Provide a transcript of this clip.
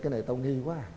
cái này tao nghi quá à